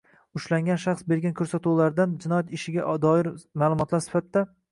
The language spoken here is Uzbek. ushlangan shaxs bergan ko‘rsatuvlardan jinoyat ishiga doir dalillar sifatida